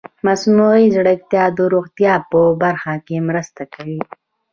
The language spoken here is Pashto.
مصنوعي ځیرکتیا د روغتیا په برخه کې مرسته کوي.